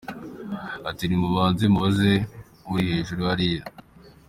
Ati nimubanze mubaze uri hejuru hariya.